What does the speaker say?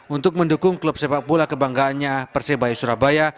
untuk mendukung klub sepak bola kebanggaannya persebaya surabaya